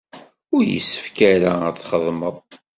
Ur yessefk ara ad txedmeḍ.